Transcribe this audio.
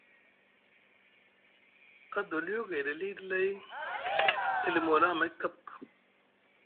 Adoliyo gayɗi aliɗi lay e limi wala amay kap.